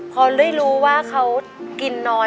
พอได้รู้ว่าเขากินน้อย